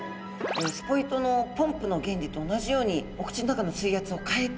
スポイトのポンプの原理と同じようにお口の中の水圧を変えて吸い込んでるようです。